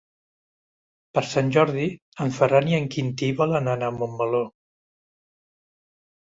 Per Sant Jordi en Ferran i en Quintí volen anar a Montmeló.